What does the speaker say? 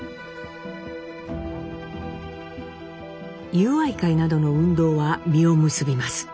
友愛会などの運動は実を結びます。